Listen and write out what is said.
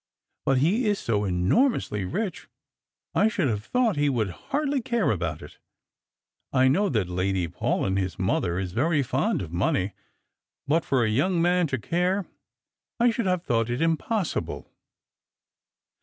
" But he is so enormously rich, I should have thought he could hardly care about it. I know that Lady Paulyn, his mother, ia very fond of money; but for a young man to care — I should have thought it impossible."